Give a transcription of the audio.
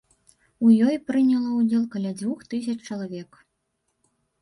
У ёй прыняло ўдзел каля дзвюх тысяч чалавек.